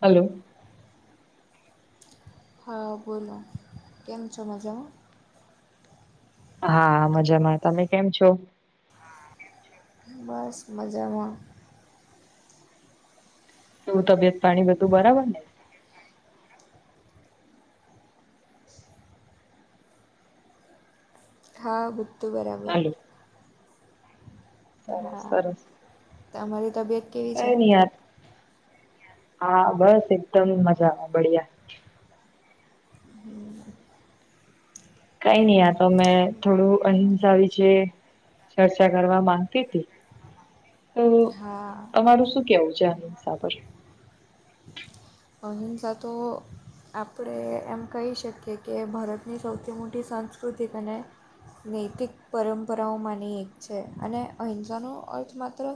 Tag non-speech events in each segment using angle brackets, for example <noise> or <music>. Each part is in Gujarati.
હાલો. હા બોલો કેમ છો મજામા? હા મજામાં તમે કેમ છો? બસ મજામાં એવું તબિયત પાણી બધું બરાબર ને? હા બધૂ બરાબર. હાલો. સરસ હા સરસ તમારી તબિયત કેવી છે કઈ ની આ હા બસ એકદમ મજામાં બડિયા હમ્મ. કઈ ની આ તો મેં થોડું અહિંસા વિશે ચર્ચા કરવા માંગતી તી તો હા અમારું શું કેવું છે, અહીસા પર અહિંસા તો આપડે એમ કહી શકીએ કે ભરતની સૌથી મોટી સંસ્કૃતિ અને નૈતિક પરંપરાઓમાંની એક છે, અને અહિંસાનો અર્થ માત્ર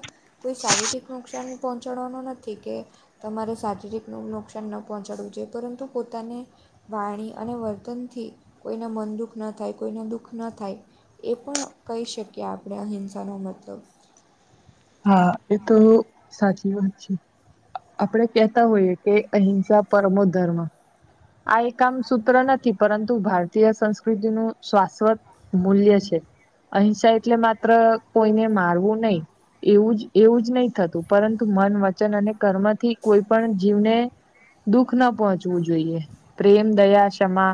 કોઈ શારીરિક નુકસાન પહોંચાડવાનું નથી કે તમારે શારીરિક નુકસાન ન પહોંચાડવું જોઈએ પરંતુ પોતાને વાણી અને વર્તનથી કોઈને મન દુઃખ ન થાય કોઈને દુઃખ ન થાય એ પણ કહી શકીએ આપણે અહિંસાનો મતલબ હા એ તો સાચી વાત છે. આપણેે કહેતા હોઈએ કે અહિંસા પરમો ધર્મ આ એક આમ સૂત્ર નથી પરંતુ ભારતીય સંસ્કૃતિનું શાશ્વત મૂલ્ય છે, અહિંસા એટલે માત્ર કોઈને મારવું નહી એવું જ એવું જ નહી થતું પરંતુ મન વચન અને કર્મથી કોઈ પણ જીવને દુઃખ ન પહોંચવું જોઈએ પ્રેમ, દયા, ક્ષમા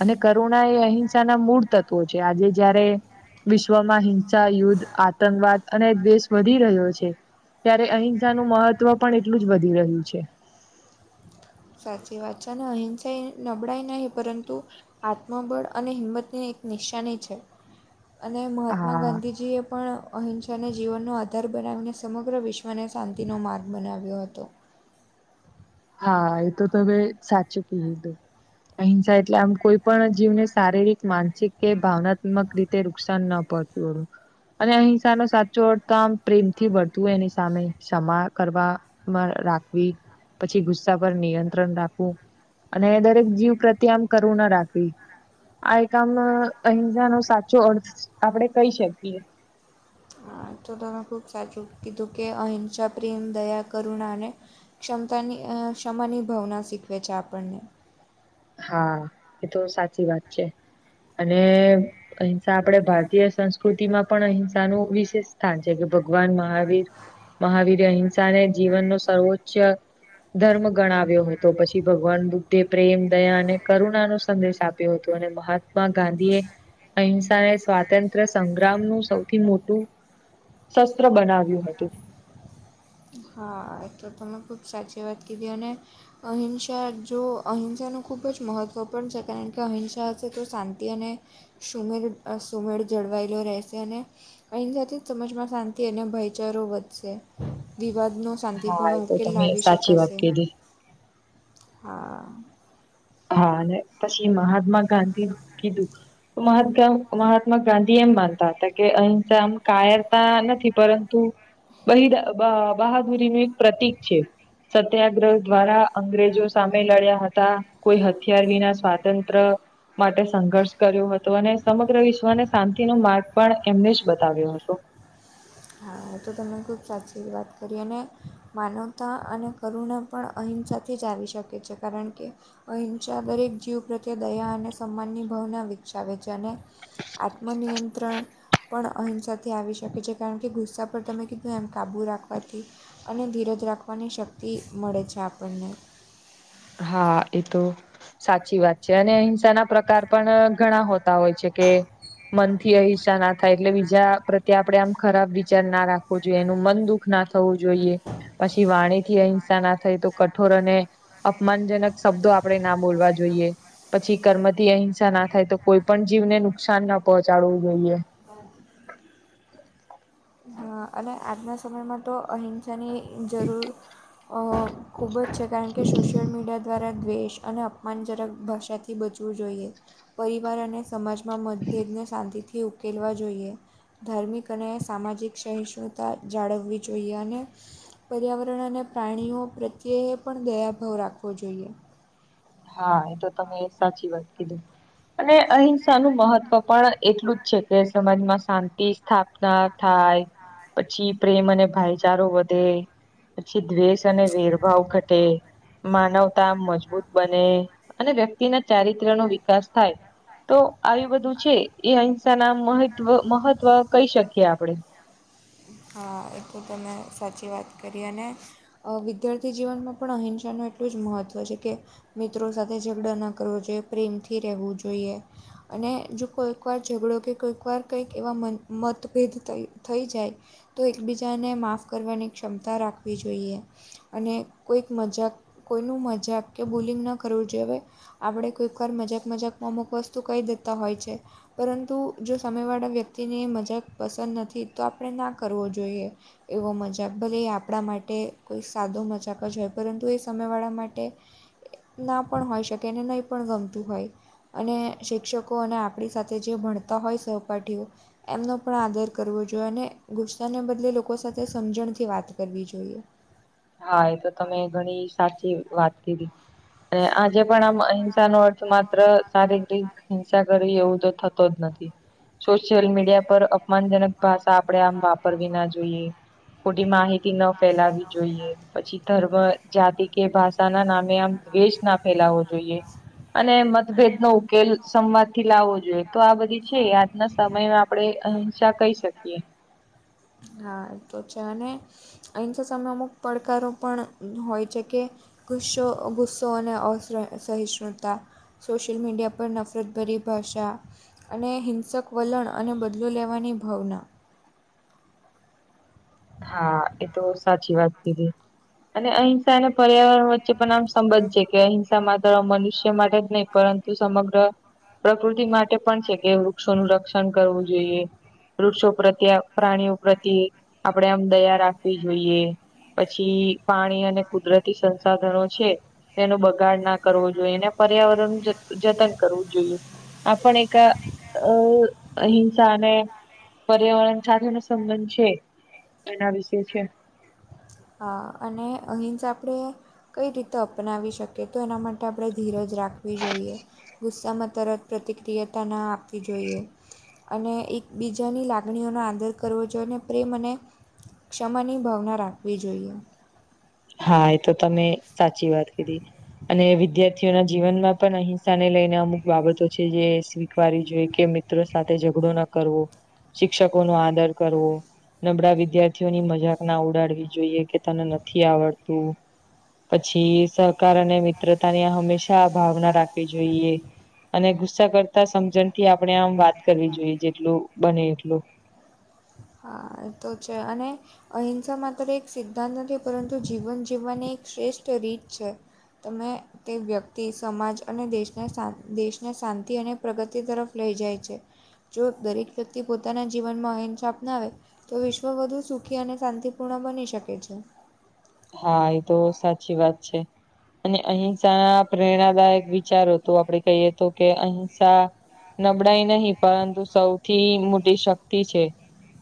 અને કર તૃણાએ અહિંસા ના મૂળ તત્વો છે, આજે જયારે વિશ્વમાં હિંસા, યુદ્ધ આતંકવાદ અને દ્વેષ વધી રહ્યો છે, ત્યારે અહિંસાનું મહત્વ પણ એટલું જ વધી રહ્યું છે. સાચી વાત છે, ન અહિંસા નબળાઈ નહી પરંતુ આત્મબળ અને હિંમતની એક નિશાની છે. અને મહાત્મા હા ગાંધીજીએ પણ અહિંસાને જીવનનો આધાર બનાવીને સમગ્ર વિશ્વને શાંતિનો માર્ગ બનાવ્યો હતો. હા એતો તમે સાચું કીધુ તુ અહિંસા એટલે આમ કોઈ પણ જીવને શારીરિક, માનસિક કે ભાવનાત્મક રીતે નુકસાન ન પ <unintelligible> અને અહીંસા નો સાચોનો તમ પ્રેમથી વળતું હોય એની સામે ક્ષમા કરવામાં રાખવી પછી ગુસ્સા પર નિયંત્રણ રાખવું અને દરેક જીવ પ્રત્ય આમ કરુણા રાખવી આ એકામ અહિંસા નો સાચો અર્થ આપડે કહી શકીએ હા તો તમે ખુબ સાચું કીધું કે અહિંસા પ્રેમ દયા કરુણા અને ક્ષમતાની અ ક્ષમાની ભવના શીખવે છે આપણને હા એ તો સાચી વાત છે અને અહિંસા આપડે ભારતીય સંસ્કૃતિ માં પણ અહિંસાનું વિશેષ સ્થાન છે કે ભગવાન મહાવીર મહાવીર અહિંસા ને જીવનનો સર્વોચ્ચ ધર્મ ગણાવ્યો હતો પછી ભગવાન બુદ્ધે પ્રેમ દયા અને કરુણા નો સંદેશ આપ્યો હતો અને મહાત્મા ગાંધી એ અહિંસાને સ્વાતંત્ર સંગ્રામ નું સૌથી મોટું શસ્ત્ર બનાવ્યું હતું હા એ તો તમે ખૂબ સાચી વાત કીધી અને અહિંસા જો અહિંસાનું ખૂબ જ મહત્ત્વ પણ છે કારણ કે અહિંસા હશે તો શાંતિ અને સુમેળ સુમેળ જળવાયેલો રહેશે અને અહિંસા થી સમાજમાં શાંતિ અને ભાઈચારો વધશે વિવાદ નો હા એ શાંતિપૂર્ણ તો ઉકેલ તમે લાવી સાચી વાત શકાશે કીધી હા હા અને પછી મહાત્મા ગાંધી કીધું મહાતઘામ મહાત્મા ગાંધી એમ માનતા હતા કે અહંસા આમકાયરતા નથી પરંતુ બહીદ બાબહાદુરીનું એક પ્રતિક છે. સત્યાગ્રહ દ્વારા અંગ્રેજો સામે લડ્યા હતા. કોઈ હથિયાર વિના સ્વાતંત્ર્ય માટે સંઘર્ષ કર્યો હતો અને સમગ્ર વિશ્વને શાંતિનો માર્ગ પણ એમને જ બતાવ્યો હતો. હા તો તમને ખૂબ સાચી જ વાત કરી અને માનવતા અને કરુણા પણ અહિંસાથી જ આવી શકે છે કારણ કે અહિંસા દરેક જીવ પ્રત્યે દયા અને સન્માન ની ભાવના વિકસાવે છે અને આત્મનિયંત્રણ પણ અહિંસાથી આવી શકે છે કારણ કે ગુસ્સા પર તમે કીધું એમ કાબૂ રાખવાથી અને ધીરજ રાખવાની શક્તિ મળે છે આપણને હા એ તો સાચી વાત છે અને અહિંસા ના પ્રકાર પણ ઘણા હોતા હોય છે કે મનથી અહિસા ના થાય એટલે બીજા પ્રત્યે આપડે આમ ખરાબ વિચાર ના રાખ વો જોઈએ એનું મન દુઃખ ના થવું જોઈએ પછી વાણી થી અહિંસા ના થઈ તો કઠોર અને અપમાનજનક શબ્દો આપડે ના બોલવા જોઈએ પછી કર્મથી અહિંસા ના થાય તો કોઈ પણ જીવને નુકસાન ન પહોંચાડવું જોઈએ. <unintelligible> હ અને આજના સમયમાં તો અહિંસાની જરૂર અ ખૂબ ચે કારણ કે સોશિયલ મીડિયા દ્વારા દ્વેષ અને અપમાનજનક ભાષાથી બચવું જોઈએ. પરિવાર અને સમાજમાં મતભેદને શાંતિથી ઉકેલવા જોઈએ. ધાર્મિક અને સામાજિક સહિષ્ણુતા જાળવવી જોઈએ અને પર્યાવરણ અને પ્રાણીઓ પ્રત્યે પણ દયાભાવ રાખવો જોઈએ. હા એ તો તમે સાચી વાત કીધું. અને અહિંસા નું મહત્વ પણ એટલું જ છે કે સમાજમાં શાંતિ થાપતાં થાય પછી પ્રેમ અને ભાઈચારો વધે પછી દ્વેષ અને વેરભાવ ઘટે માનવતા મજબૂત બને અને વ્યક્તિના ચારિત્ર નો વિકાસ થાય તો આવી બધું છે એ અહિંસા ના મહિત્વ મહત્વ કઇ શકીએ આપડે હા એ તો તમે સાચી વાત કરી અને અ વિદ્યાર્થી જીવનમાં પણ અહિંસાનું એટલું જ મહત્ત્વ છે કે મિત્રો સાથે ઝઘડા ના કરવો જોઈએ પ્રેમથી રહેવું જોઈએ. અને જો કોઈકવાર ઝઘડો કે કોઈકવાર કંઈક એવા મન મતભેદ થઇ થઈ જાય. તો એકબીજાને માફ કરવાની ક્ષમતા રાખવી જોઈએ. અને કોઈક મજાક કોઈનું મજાક કે બોલિંગ ન કરવું જોઈએ અવે. આપડે કોઈકવાર મજાક મજાકમાં અમુક વસ્તુ કઇ દેતા હોય છે. પરંતુ જો સામે વાળા વ્યક્તિને એ મજાક પસંદ નથી તો આપણે ના કરવો જોઈએ. એવો મજાક ભલે એ આપડા માટે કોઈ સાદો મજાક જ હોય પરંતુ એ સામેવાળા માટે એ ના પણ હોય શકે એને નઇ પણ ગમતું હોય. અને શિક્ષકો અને આપડી સાથે જે ભણતા હોય સહપાઠીઓ એમનો પણ આદર કરવો જોઈ અને ગુસ્સાને બદલે લોકો સાથે સમજણથી વાત કરવી જોઈએ. હા એ તો તમે ઘણી સાચી વાત કીધી. અને આજે પણ આમ અહિંસાનો અર્થ માત્ર શારીરીક હિંસા કરીવી એવું તો થતો જ નથી. સોશિયલ મીડિયા પર અપ માનજનક ભાષા આપડે આમ વાપરવી ના જોઈએ, ખોટી માહિતી ન ફેલાવી જોઈએ. પછી ધર્મ, જાતિ કે ભાષા ના નામે આમ દ્વેષ ના ફેલાવો જોઈએ. અને મતભેદનો ઉકેલ સંવાદ થી લાવો જોઈએ તો આ બધી છે એ આજના સ સમયમાં આપડે અહિંસા કઈ શકીએ. હા એ તો છે અને અહીં સામે અમુક પડકારો પણ હોય છે કે ગુસ્સો ગુસ્સો અને અશ્ર સહિષ્ણુતા સોશિયલ મીડિયા પર નફરતભરી ભાષા અને હિંસક વલણ અને બદલો લેવાની ભાવના. હા એ તો સાચી વાત કીધી. અને અહિંસા અને પર્યાવરણ વચ્ચે પન આમ સંબધ છે કે અહિંસા માત્ર મનુષ્ય માટે જ નઇ પરંતુ તુ સમગ્ર પ્રકૃતિ માટે પણ છે કે વૃક્ષોનું રક્ષણ કરવું જોઈએ. વૃક્ષો પ્રત્યે, પ્રાણીઓ પ્રત્યે આપડે આમ દયા રાખવી જોઈએ પછી પાણી અને કુદરતી સંસા સાધનો છે તેનો બગાડ ના કરવો જોઈએ અને પર્યાવરણ જત જતન કરવું જોઈએ. આપણ એક અ અહિંસા અને પર્યાવરણ સાથેનો સંબંધ છે. એના વિશે છે. અને અહીં જ આપણે કઈ રીતે અપનાવી શકી તો એના માટે આપણે ધીરજ રાખવી જોઈએ. ગુસ્સામાં તરત પ્રતિક્રિયાતા ન આપવી જોઈએ. અને એકબીજાની લાગણીઓનો આદર કરવો જોઈએ અને પ્રેમ અને ક્ષમાની ભાવના રાખવી જોઈએ. હા એ તો તમે સાચી વાત કીધી. અને વિદ્યાર્થીઓના જીવનમાં પણ અહિંસા ને લઈને અમુક બાબતો છે જે શી વાળવી જોઈ કે મિત્રો સાથે ઝઘડો ન કરવો, શિક્ષકો નો આદર કરવો નબળા વિદ્યાર્થીઓની મજાક ના ઉડાડવી જોઈએ કે તને નથી આવડતું પછી સહકાર અને મિત્રતા ની હંમેશા ભાવના રાખવી જોઈએ. અને ગુસ્સા કરતા સમજણથી આપણે આમ વાત કરવી જોઈએ જેટલું બને એટલું. આ તો છે અને અહિંસા મા ત એક સિદ્ધાંત નથી પરંતુ જીવન જીવવાની એક શ્રેષ્ઠ રીત છે. તમે તે વ્યક્તિ, સમાજ અને દેશને દેશને શાંતિ અને પ્રગતિ તરફ લઈ જાય છે. જો દરેક વ્યક્તિ પોતાના જીવનમાં અંસા ના આવે તો વિશ્વ વધુ સુખી અને શાંતિપૂર્ણ બની શકે છે. હા એ તો સાચી વાત છે. અને અહિંસા ના પ્રેરણાદાયક વિચારો તો આપણે કહીએ તો કે અહિંસા નબળાઈ નહી પરંતુ સૌથી મોટી શક્તિ છે.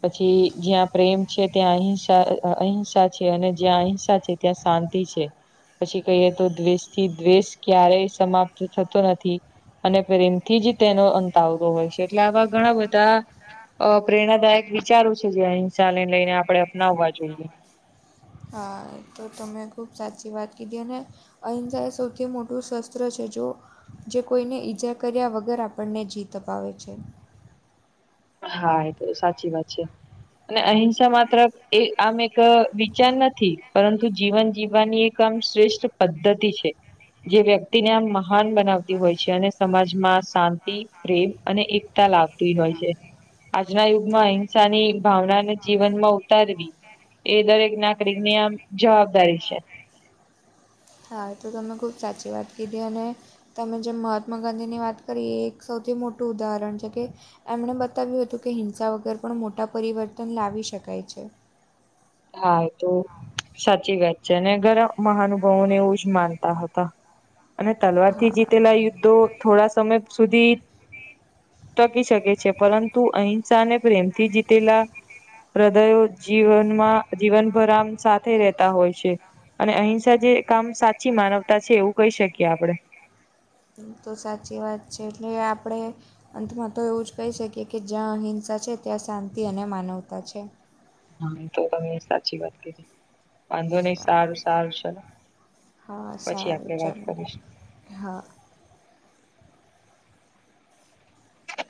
પછી જ્યાં પ્રેમ છે ત્યાં અહિંસા અહિંસા છે અને જ્યાં અહિંસા છે ત્યાં શાંતિ છે. પછી કહીએ તો દ્વેષ થી દ્વેષ ક્યારેય સમાપ્ત થતો નથી. અને પ્રેમથી જ તેનો અંત આવતો હોય છે. એટલે આવા ઘણા બધાં અ પ્રેરણાદાયક વિચારો છે જે અહિંસાને લઈને આપણે અપનાવવા જોઈએ. હા તો તમે ખૂબ સાચી વાત કીધી અને અહિંસા એ સૌથી મોટું શસ્ત્ર છે જો જે કોઈને ઈજા કર્યા વગર આપણને જીત અપાવે છે. હા એ તો સાચી વાત છે. અને અહી સા માત્ર એ આમ એક વિચાર નથી. પરંતુ જીવન જીવવાની એક આમ શ્રેષ્ઠ પદ્ધતિ છે. જે વ્યક્તિને આમ મહાન બનાવતી હોય છે. અને સમાજમાં શાંત તી રે અને એકતા લાવતી હોય છે. આજના યુગમાં અહિંસાની ભાવનાને જીવનમાં ઉતારવી. એ દરેક નાગરિકની આમ જવાબદારી છે. હા તો તમે ખૂબ સાચી વાત કીધી. અને તમે જે મહાત્મા ગાંધીની વાત કરી એ એક સૌથી મોટું ઉદાહરણ છે કે એમણે બતાવ્યું હતું કે હિંસા વગર પણ મોટા પરિવર્તન લાવી શકાય છે. હા એ તો સાચી વાત છે. અને ઘરા મહાનુભાવોને એવું જ માનતા હતા. અને તલવારથી હા જીતેલા યુદ્ધો થોડા સમય સુધી ટકી શકે છે. પરંતુ અહિંસાને, પ્રેમથી જીતેલા હૃદયો જીવનમાં જીવનભર આમ સાથે રહે તા હોય છે. અને અહિંસા જે કામ સાચી માનવતા છે એવું કહી શકીએ આપણે. હમ તો સાચી વાત છે. એટલે આપણે અંતમાં તો એવું જ કહી શકીએ કે જ્યાં અહિંસા છે ત્યાં શાંતિ અને માનવતા છે. હા એતો તમે સાચી વાત કીધી. વાંધો નહી સારું સારું ચલો. હા પછી સારું આપડે ચલો વાત કરીશ હા હ